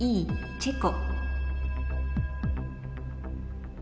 チェコ？